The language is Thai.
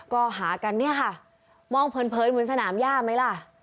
ก็หากันเนี่ยค่ะมองเผินเหมือนสนามย่าไหมล่ะ